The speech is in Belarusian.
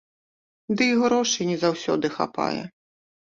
Ды і грошай не заўсёды хапае.